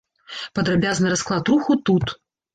Падрабязны расклад руху тут.